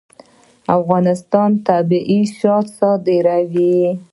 افغانستان طبیعي شات صادروي